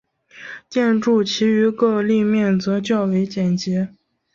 建筑其余各立面则较为简洁。